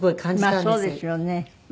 まあそうですよね。